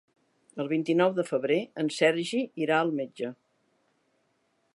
El vint-i-nou de febrer en Sergi irà al metge.